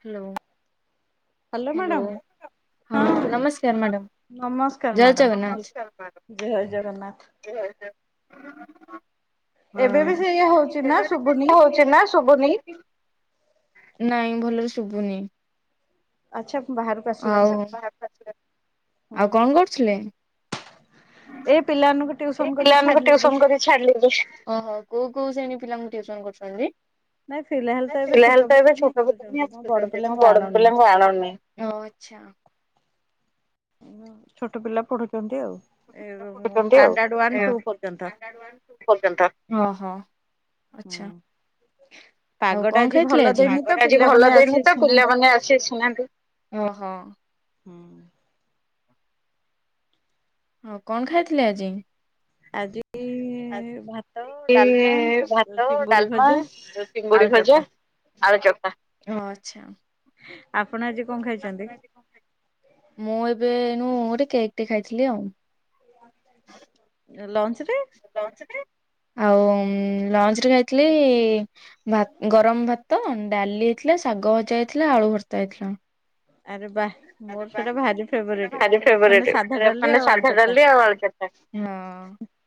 Hello. Hello madam. ହଁ ନମସ୍କାର madam. ଜଏ Jagannath. ହୁଁ ଏବେବି ସେଇଟା ହଉଚି ନା ଶୁଭୁନି। ନାଇଁ ଭଲରେ ଶୁଭୁନି। ଆଉ ଆଉ କଣ କରୁଥିଲେ? ଏଇ ପିଲା ମାନଙ୍କୁ ପିଲାମାନଙ୍କୁ ଟିଉସନ କରି ଛାଡିଲି ଏବେ ଓହୋ କୋଉ କଉ ଶ୍ରେଣୀ ପିଲାଙ୍କୁ ଟିଉସନ କରୁଛନ୍ତି। ପିଲା ହେଲେ ତ ଏବେ ଛୋଟ ପିଲା ହଁ ଆସୁଛନ୍ତି କଣ ବଡ଼ ପିଲାଙ୍କୁ ଆଣନି। ଆଛା। ଛୋଟ ପିଲା ପଢୁଛନ୍ତି ଆଉ। ଷ୍ଟାଣ୍ଡାର୍ଡ ୱାନ ଟୁ ପର୍ଯ୍ୟନ୍ତ। ହୁଁ। ଆଉ କଣ ଖାଇଥିଲେ ଆଜି ପାଗଟା ଆଜି ଭଲ ଦେଇନି ତ ପିଲାମାନେ ଆସି ଶୁନାତି ଅହୋ। ହୁଁ। ହଁ କଣ ଖାଇଥିଲେ ଆଜି? ଆଜି ଏ ଭା ଭାତ ଡାଲମା ଚିଙ୍ଗୁଡି ଭଜା ଆ ଓ ଆ୍ଛା ମୁଁ ଏବେ ଗୋଟେ କେକ୍ ଖାଇଥିଲି ଆଉ। ଲଞ୍ଚ୍ ଲଞ୍ଚ୍ରେ ଆଉ ଲଞ୍ଚ ରେ ଯାଇଥିଲି। ଗରମ ଭାତ ଡାଲି ହେଇଥିଲା ଶାଗ ଭଜା ହେଇଥିଲା ଆଳୁ ଭର୍ତା ହେଇଥିଲା। ଆରେ ବା। ଭାରି ଫ ସାଧା ଡାଲି ଆଉ ହଁ।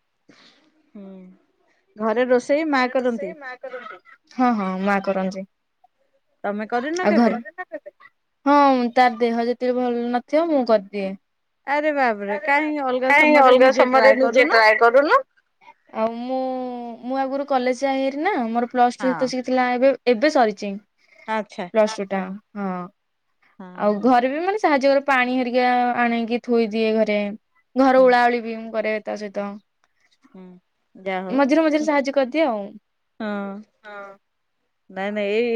ହୁଁ। ଘରେ ରୋଷେଇ ମା କରନ୍ତି ହଁ ହଁ ମା କରନ୍ତି। ଆଉ ଘର ହଁ ତାର ଦେହ ଜେତେ ସେରେ ଭଲ ନଥିବ ମୁଁ କରିଦିଏ। କ ଅଲଗା ସମୟରେ ନିଜେ ଟ୍ରାଏ କରୁନୁ? ଆଉ ମୁଁ ମୁଁ ଆଗରୁ କଲେଜ ଯାଏ ହେି ନା ମୋର ପ୍ଲସ ଟୁ ସତ ଶିଖିଥିଲା ଏବେ ଏବେ ସରିଛି। ପ୍ଲସ ଟ ଟା ହଁ ଆଉ ଘରେ ବି ମାନେ ସାହାଯ୍ୟ କରେ ପାଣି ହରିକା ଆଣେଇିକି ଥୋଇ ଦିଏ ଘରେ ଘର ଉଳାଉଳି ବି ମୁଁ କରେ। ତା ସହିତ ମଝିରେ ମଝିରେ ସାହାଯ୍ୟ କରିଦିଏ ଆଉ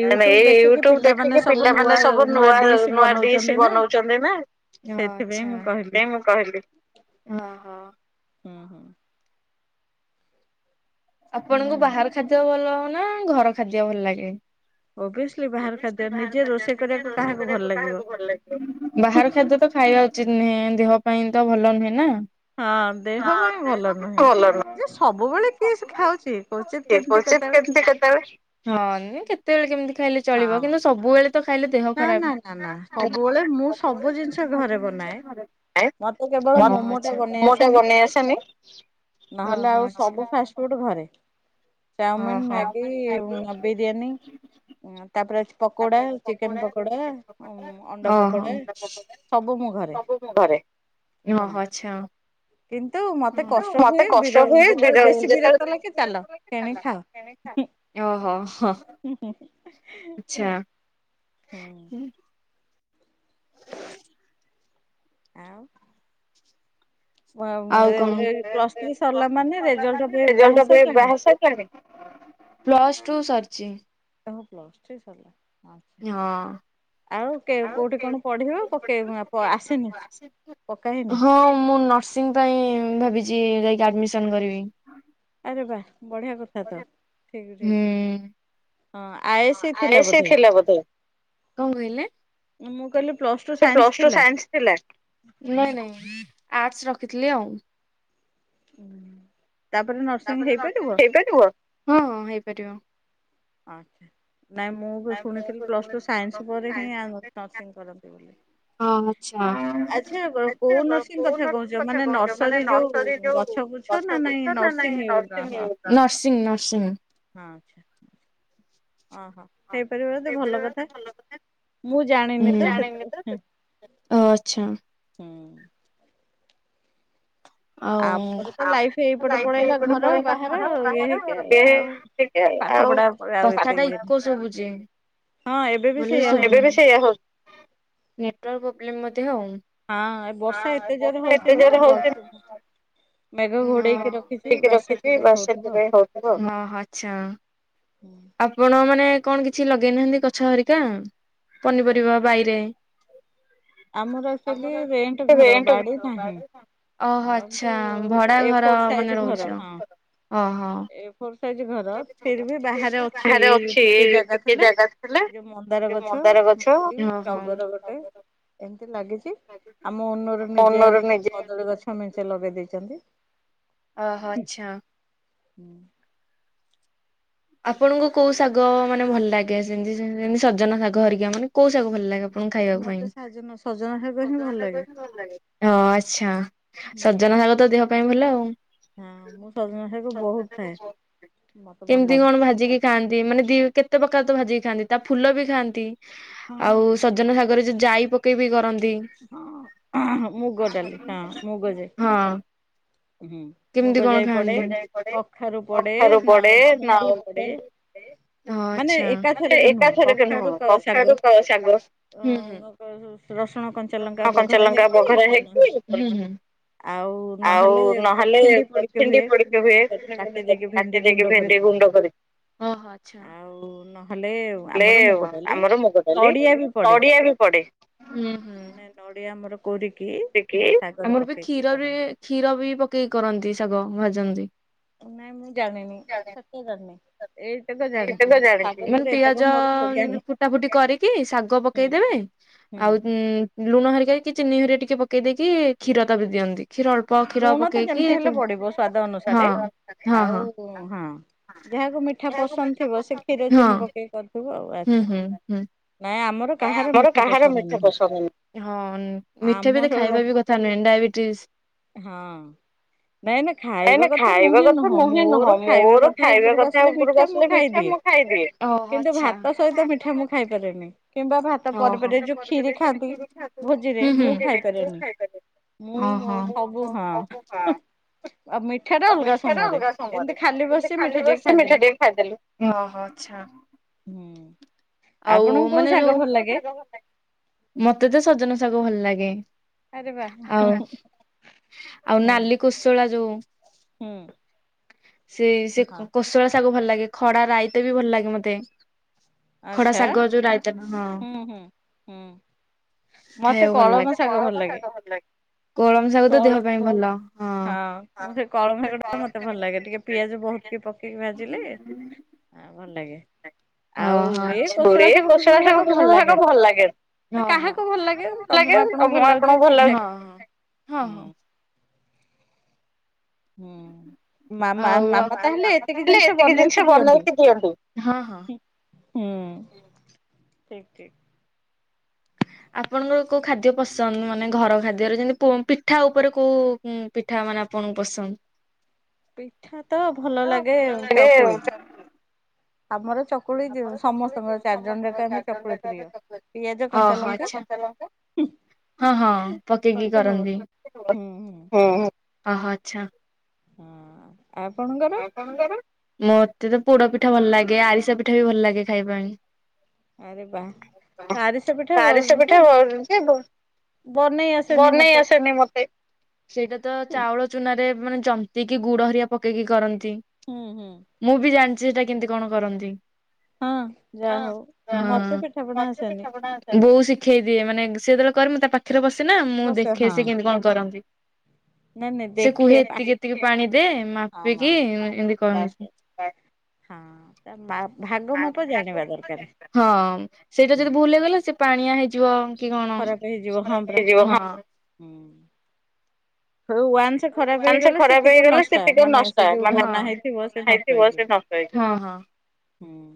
ହ ନ ଏଇ ୟୁଟ୍ୟୁବ ଦେଖିକି ପିଲାମାନେ ସବୁ ନୂଆ ନୂଡି ବନଉଛନ୍ତି ନା ମୁଁ କହିଲି। ହଁ ହଁ। ଆପଣଙ୍କୁ ବାହାର ଖାଦ୍ୟ ଭଲ ହ ନା ଘର ଖାଦ୍ୟ ଭଲ ଲାଗେ? ଓବିଅସ୍ ଓବିଅସ୍ଲି ବାହାର ଖାଦ୍ୟ ଦେଖେ ରୋଷେଇ କରିବାକୁ କାହାକୁ ଭଲ ଲାଗେ ବାହାର ଖାଦ୍ୟ ତ ଖାଇବା ଉଚିତ ନୁଁ ନହେଁ ଦେହ ପାଇଁ ତ ଭଲ ନୁହେଁ ନା। ହଁ ଦେହ ପାଇଁ ଭଲ ନୁହେଁ ଯେ ସବୁବେଳେ। ଠଚିତ କେମିତି କତବେଳେ ହଁ। କେତେବେଳେ କେମିତି ଖାଇଲେ ଚଳିବ କିନ୍ତୁ ସବୁବେଳେ। ତ ଖାଇଲେ ଦେହ ଖରାପ୍ ମୋଟା କ ନେଇେଇ ଆସେନି ନହେଲେ ଆଉ ସବୁ ଫାଷ୍ଟଫୁଡ଼୍ ଘରେ। ଚାଉମିନ ମ୍ୟାଗି ବିରିୟାନୀ ତାପରେ ଅଛି ପକୋଡ଼ା। ଚିକେନ ପକୋଡା ଅଣ୍ଡା ପକୋଡା ସବୁ ମୁଁ ଘରେ। ଓୋ ଆଚ୍ଛା। ମତେ କଷ୍ଟ ହୁଏ ବି ଯେତେବେଳେ ଓହୋ ହୋ। ଆଚ୍ଛା। ଆଉ। ଆଉ କଣ? ପ୍ଲସ୍ ଟୁ ସରିଛି। [unintelligible] ଆଉ କେ କୋଉଠି କଣ ପଢିବ ପକେଇଁବ ଆପ ଆସିନି। ହଁ ମୁଁ ନର୍ସିଂ ପାଇଁ ଭାବିଛି ଯାଇକି ଆଡମିସନ କରିବି। ଆରେ ବାହ ବଢିଆ କଥା ତ ଠିକ ଠିକ। ହଁ ଆଏସି ଥିଲା ବୋଧେ ମୁଁ କହିଲି ପ୍ଲସ ଟୁ ସାଇନ୍ସ ଥିଲା। ଆର୍ଟସ୍ ରଖିଥିଲି ଆଉ। ହୁଁ। ହଁ ହେଇପାରିବ। ଆଚ୍ଛା। ନାଇଁ ମୁଁ ବି ଶୁଣିଥିଲି ପ୍ଲସ ଟୁ ସାଇନ୍ସ ପରେ ହିଁ ଆ ନର୍ସିଂ କରନ୍ତି ବୋଲି। ଆଚ୍ଛା କୋଉ ନର୍ସିଂ କଥା କହୁଛ ମାନେ ନର୍ସରୀ ଯୋଉ ଗଛ ଛ ନାଇଁ ନର୍ସିଙ୍ଗ ଓହୋ ହ। ଓହୋ ହେଇପାରିବ ଯଦି ଭଲ କଥା। ମୁଁ ଜାଣିନି ତ ସେଥିବେ ହୁଁ। [unintelligible] ଆଉ କଥା ଟା ଇକୋ ଶୁବୁଛି। [unintelligible] ହଁ ବର୍ଷା ଏତେ ଜୋର ହଉଛି ହ ମୁଁ ଠିକେ ରଖିଛି ବଷରେ ହଉଥିବ ଆଚ୍ଛା। ଆପଣ ମାନେ କଣ କିଛି ଲଗେଇନାହାନ୍ତି ଗଛ ହରିକା ପନିପରିବା ବାଇରେ। [unintelligible] ଓହୋ ଆଚ୍ଛା ଭଡା ଘର ମାନେ ରହୁଛ ଓହୋ। ସାଇଜ ଘର ଫିର ବି ବାହାରେ ଅଛି ଏଇ ଟିକେ ଜାଗା ଥିଲା ଯୋଉ ମନ୍ଦାର ଗଛ ମଲ୍ଲି, ଟଗର ଗୋଟେ ସେମତି ଲାଗିଛି ଆମ ଓନରୁ ନିଜେ ଆଣିକି କଦଳୀ ଗଛ ମେଞ୍ଚେ ଲଗେଇ ଦେଇଚ। [unintelligible] ଓ ହୋ ଆଚ୍ଛା। ହୁଁ ଆପଣଙ୍କୁ କୋଉ ଶାଗ ମାନେ ଭଲ ଲାଗେ ସେମିତିସେମତି ସଜନ ଶାଗ ହରିକା ମାନେ କୋଉ ଶାଗ ଭଲ ଲାଗେ? ଖାଇବ ପାଇଁ ଓ ଆଛା ସଜନା ଶାଗ ଦେହ ପାଇଁ ଭଲ ଆଉ। ହଁ ମୁଁ ସଜନା ସାକୁ ବହୁତ ଖାଏ ମତେ ଭଲ ଦି କଣ ଭାଜିକି ଖାଆନ୍ତି ମାନେ ଦି କେତେ ପ୍ରକାର ତ ଭାଜିକି ଖାଆନ୍ତି ତା ଫୁଲ ବି ଖାଆନ୍ତି। ଆଉ ସଜନ ସାଗରରେ ଯ ଯାଇ ପକେଇ ବିି କରନ୍ ତି ହଁ। କେମତି କଣ ଖାଆନ୍ତି? ଅଚ୍ଛା ହୁଁ ହୁଁ। ରସୁଣ କଞ୍ଚାଲଙ୍କା ବଘରା ହେଇକି ବନା ହଉ ଆଉ ନହେଲେ ଭାଲେ ଭେଣ୍ଡି ପଡିକି ହୁଏ କାଟି ଦେଇକି ଭେଣ୍ଡି ଗୁଣ୍ଡ କରି। ଓହୋ ଆଚ୍ଛା। ପଡ଼େ। ମାନେ ନଡିଆ ଆମର କୋରିକି [unintelligible] ଆମର ବି କ୍ଷୀର ବି କ୍ଷୀର ବି ପକେଇକି କରନ୍ତି ଶାଗ ଭାଜନ୍ତି। ନାଇଁ ମୁଁ ଜାଣିନି। ସେଟା ଜାଣିନି। ସେଇଟା ତ ଜାଣିଛି। ପିଆଜ ଫୁଟା ଫୁଟି କରିକି ଶାଗ ପକେଇଦେବେ ଆଉ ଉଁ ଲୁଣ ହେରିକା କି ଚିନି ହେରିକ ଟିକେ ପକେଇ ଦେଇକି କ୍ଷୀର ତାପରେ ଦିଅନ୍ତି। କ୍ଷୀର ଅଳ୍ପ କ୍ଷୀର ପକେଇକି [unintelligible] ହଁ ହଁ ହଁ। ହଁ ହୁଁ ହୁଁ ହୁଁ। ନାଇଁ ଆମର କାହାର ମିଠା ପସନ୍ଦ ନୁହଁ। ମିଠା ବି ତ ଖାଇବା କଥା ନୁହେଁ। ଡ଼ାଇବେଟିସ। [unintelligible] ହଁ। ନାଇଁ ନାଇଁ ଖାଇବା କଥା ନୁହେଁ ନୁହଁ। ମୋର ଖାଇବା କଥା ଉପରକୁ ଆସିଲେ ମିଠା ମୁଁ ଖାଇଦିଏ। କିନ୍ତୁ ଭାତ ସହିତ ମିଠା ମୁଁ ଖାଇପାରେନି। କିମ୍ବା ଭାତ ପରେ ପରେ ଯୋଉ ଖିରି ଖାଆନ୍ତି ଭୋଜିରେ ମୁଁ ଖାଇପାରେନି। ମୁଁ ମୋର ସବୁ ହଁ। ଆଉ ମିଠାଟା ଅଲଗା ସମୟରେ ଏମତି ଖାଲି ବସିଚୁ ମିଠା ଟିକେ ଖାଇଦେଲୁ। ଆଚ୍ଛା। ହୁଁ। ଆଉ ମାନେ ଯୋଉ ମତେ ତ ସଜନ ଶାଗ ଭଲ ଲାଗେ। ଆଉ ଆଉ ନାଲି କୋଶଳା ଯୋଉ। ସେ ସେ କୋଶଳା ଶାଗ ଭଲ ଲାଗେ। ଖଡା ରାଇ ଟା ବି ଭଲ ଲାଗେ ମତେ। ଖଡା ଶାଗ ଯୋଉ ରାଇ ଟା ହଁ। ଖାଇବାକୁ ଭଲ ଲଗେ। ମତେ କଳମ ଶାଗ ଭଲ ଲାଗେ। କଳ ହଁ ମୁଁ ସେ କଳମ ଶାଗ ଟା ମତେ ଭଲ ଲାଗେ। ଟିକେ ପିଆଜ ବହୁତ ପକେଇକି ଭାଜିଲେ ଆଉ ଭଲ ଲାଗେ। ଓହୋ ଆଚ୍ଛା। ଏ କୋଶଳା ଶାଗ ଫୋଶଳା ଶାଗ ଭଲ ଲାଗେନି। ହଁ ହଁ କାହାକୁ ଭଲ ଲାଗେ। ତମ ଆପଣଙ୍କୁ ଭଲ ହଁ ହଁ ହଁ ହଁ। ହୁଁ, ମା ମା ମାମା ତାହଲେ ଏତିକି ଜିନିଷ ବନେଇକି ଦିଅନ୍ତି। ହୁଁ ଠିକ୍ ଠିକ୍। [inaudible] ଆପଣଙ୍କର କୋଉ ଖାଦ୍ୟ ପସନ୍ଦ? ମାନେ ଘର ଖାଦ୍ୟରେ ଯେମିତି ପିଠା ଉପରକୁ କୋଉ ପିଠା ମାନେ କଣ ପସନ୍ଦ? ପିଠା ତ ଭଲ ଲାଗେ ଚକୁଳି। ଆମର ଚକୁଳି ଯୋଉ ସମସ୍ତଙ୍କର ଚାରି ଜଣ ଯାକ ଆମେ ଚକୁଳି ପ୍ରିୟ। ପିଆଜ କଞ୍ଚା ଲଙ୍କା ହୁଁ। ହଁ ହଁ ପକେଇକି କରନ୍ତି। ହଁ ହଁ ଆଚ୍ଛା। ହଁ ଆପଣ ଙ୍କର ମତେ ତ ପୋଡ ପିଠା ଭଲ ଲାଗେ। ଆରିସା ପିଠା ବି ଭଲ ଲାଗେ ଖାଇବା ପାଇଁ। ଆରିସା ପିଠା। [unintelligible] ବନେଇ ଆସନି ମତେ। ସେଇଟା ତ ଚାଉଳ ଚୁନାରେ ମାନେ ଜନ୍ତି କି ଗୁଡ ହାରିଆ ପକେଇକି କରନ୍ତି। ମୁଁ ବି ଜାଣି ଚି ସେଟା କେମିତି କଣ କରନ୍ତି। ହଁ ଯାହା ହଉ, ମତେ ପିଠା ପଣା ଆସେନି। ବୋଉ ଶିଖେଇ ଦିଏ। ମାନେ ସେ ଯେତେବେଳେ କରେ, ମୁଁ ତା ପାଖରେ ବସେନା ମୁଁ ଦେଖେ ସେ କେମତି କଣ କରନ୍ତି। ସେ କୁହେ ଏତିକି ଏତିକି ପାଣି ଦେ। ମା ମାପିକି ଏମିତି କରନ୍ତି। ହଁ ତା ଭାଗ ମାପ ଜାଣିବା ଦରକାର। ହଁ ସେଇଟା ଯଦି ଭୁଲ ହେଇଗଲା ସେ ପାଣିଆ ହେଇଯିବ କି କଣ। ଖରାପ ହେଇଯିବ। ହୁଁ। ମାନେ ସେ ଖରାପ ହେଇଗଲେ ସେତିିକ ନଷ୍ଟ, ହଁ ମାନେ ଯେତିକି ବନା ହେଇଥିବ ସେ ନଷ୍ଟ ହେଇଗଲା। ହଁ ହଁ ହୁଁ ଉଁ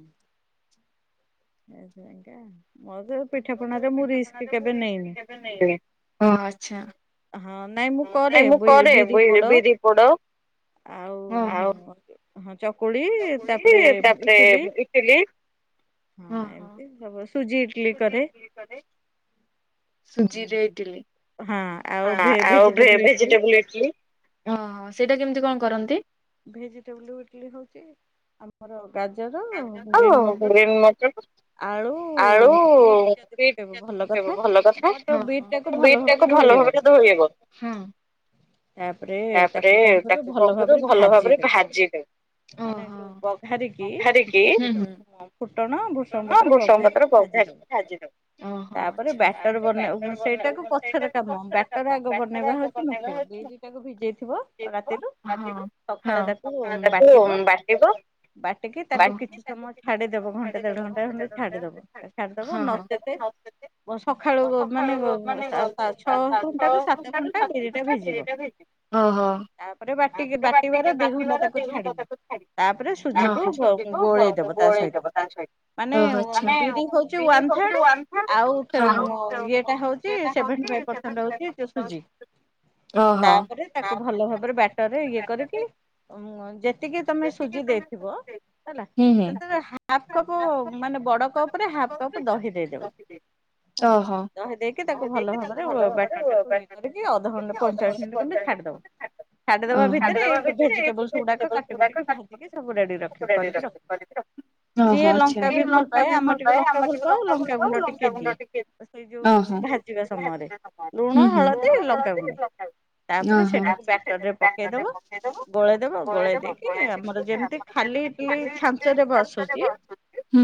[unintelligible] ଓ ଆଛା। ନ ମୁଁ କରେ ବିିରିି ପୋଡ। ହଁ ଆଉ ଚକୁଳି ତାପରେ ଇଟିଲି ହଁ ଏମିତି ସବୁ ସୁଜି ଇଟଲି କରେ। ସୁଜି ରେ ଇଟିଲି। ସେଇଟା କେମତି କଣ କରନ୍ତି? ଭେଜିଟେବଲ ଇଟଲି ହଉଛି ଆମର [unintelligible] ଆଳୁ ବିଟ ଟାକୁ ପକେଇବ ଭଲ କଥା, ବିଟ୍ ଟାକୁ ଭଲ [unintelligible] ତାପରେ ତାକୁ କଣ କରିବ ଭଲ ଭାବରେ ଭାଜିଦଉ ମାନେ ଯୋଉ ବଘାରିକି ଭାଜି ଦବ ହଁ ଫୁଟଣ ଭୃଷଙ୍ଗ ପତ୍ର ବଘାରିକି ଭାଜି ଦବ, ତାପରେ ବ୍ୟାଟର ବନେଇ ସେଇଟାକୁ ପଛର କାମ ବ୍ୟାଟର ଆଗ ବନେଇବା ହଉଛି ମୁଖ୍ୟ ବିରିଟାକୁ ଭିଜେଇ ଥିବ ରାତିରୁ ସକାଳେ ତାକୁ ବାଟିବ, ବାଟିକି ତାକୁ କିଛି ସମୟ ଛାଡିଦବ ଘଣ୍ଟା ଦେଢ ଘଣ୍ଟା ଘଣ୍ଟେ ଛାଡିଦବ, ଛାଡିଦବ ନଚେତ ସକାଳୁ ମାନେ ଛଅ ଘଣ୍ଟା ରୁ ସାତ ଘଣ୍ଟା ବିରି ଟା ଭିଜିବ। ଓ ହ ତାପରେ ବାଟିକୀ ବାଟିବାର ଦି ଘଣ୍ଟା ତାକୁ ଛାଡିବ ତାପରେ ସୁଜିକୁ ଗୋଳେଇ ଦେବ ତା ସହିତ। ମାନେ ବିରି ହଉଛି ୱନ୍ ଥାର୍ଡ ଆଉ ଇଏଟା ହଉଛି ସେଭେ ସେଭେଣ୍ଟି ଫାଇଫ ପରସେଣ୍ଟଟ ହଉଛି ସୁଜି ତାପରେ ତାକୁ ଭଲ ଭାବରେ ବ୍ୟାଟରେ ଇଏ କରିକି ଯେ ଟିକେ ତମେ ସୁଜି ଦେଇଥିବ। ହେଲା, ସେଥି ହାଫ୍ କପ୍ ମାନେ ବଡ କପ ରେ ହାଫ କପ୍ ଦହି ଦେଇଦବେ। ହେଲା ଦହି ଦେଇକି ତାକୁ ଭଲ ଭାବରେ ବ୍ୟାଟର ଟାକୁ ଇଏ କରିକି ଅଧଘଣ୍ଟା ପଇଁଚାଳିଶ ମିନିଟ୍ ଖେ ଛାଡିଦବ ଛାଡିଦବା ଭିତରେ ଭେଜିଟେବୁଲସ୍ ଗୁଡାକ ତାକୁ ଟିକେ ଭାଜିକି ସବୁ ରେଡି ରଖିବ କରିଛି ରଖିବ। ସିଏ ଲଙ୍କା ବି ଭଲ ପାଏ ଆମର ଟିକେ ଲଙ୍କା ଭଲ ପାଉ ଲଙ୍କାଗୁଣ୍ଡ ଟିକେ ଦିଏ। ସେଇ ଯୋଉ ଭାଜିବା ସମୟରେ ଲୁଣ ହଳଦୀ ଲଙ୍କାଗୁଣ୍ଡ। ତାପରେ ସେଟାକୁ ବ୍ୟାଟର ରେ ପକେଇଦବ, ଗୋଳେଇଦବ, ଗୋଳେଇ ଦେଇକି ଆମର ଯେମିତି ଖାଲି ଇଟିଲି ଛାଞ୍ଚରେ ବସୁଛି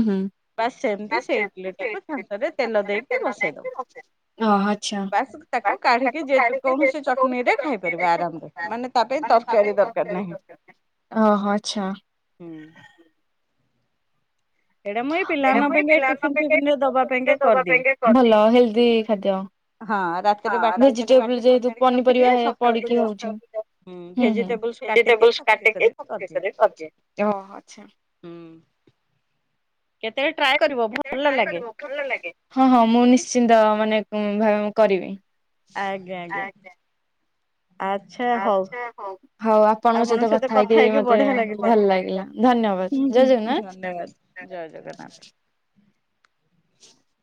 ହୁଁ [unintelligible] ହଁ ଆଛା। ବାସ ତାକୁ କାଢିକି ଯେ କୌଣସି ଚଟଣି ରେ ଖାଇପାରିବ ଆରାମରେ ମାନେ ତା ପାଇଁ ତର ତରକାରୀ ଦରକାର ନାହିଁ। ଓଃ ହୋ ଆଛା। ଏଇଟା ମୁଁ ଏଇ ପିଲାମାନଙ୍କ ପାଇଁ ଏ ଟିଫିନ ଫିଫିନ ରେ ଦବା ପାଇଁକା କରିଦିଏ। ହଁ ରାତିରେ ବାଟିକୀ ବୁଟିକି ସଜାଡିକି ରଖିଦିଏ ସକାଳକୁ ଜଷ୍ଟ। ହୁଁ ଭେଜିଟେବଲସ କାଟିକି ତାକୁ ଇଏ କରିକି କରିଦିଏ। ହୁଁ କେତେ କେତେବେଳେ ଟ୍ରାଏ କରିବ ଭଲ ଲାଗେ ହଁ ହଁ ମୁଁ ନିଶ୍ଚିନ୍ତ ମାନେ କରିବି। ଆଜ୍ଞା ଆଜ୍ଞା। ଆଛା ହଉ, ଆପଣଙ୍କ ସହିତ କଥା ହେଇକି ବଢିଆ ଲାଗିଲା। ହୁଁ ହୁଁ ଧନ୍ୟବାଦ, ଜୟ ଜଗନ୍ନାଥ। [unintelligible]